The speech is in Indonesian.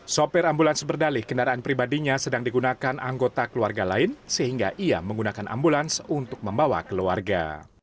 sopir ambulans berdalih kendaraan pribadinya sedang digunakan anggota keluarga lain sehingga ia menggunakan ambulans untuk membawa keluarga